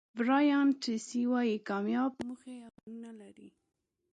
برایان ټریسي وایي کامیاب موخې او پلانونه لري.